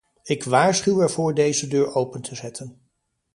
Ik waarschuw ervoor deze deur open te zetten.